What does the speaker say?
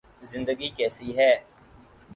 زندگی کیسی ہے